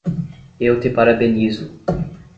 Eu te parabenizo